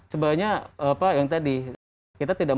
sebenarnya apa yang tadi kita tidak